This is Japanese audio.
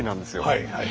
はい。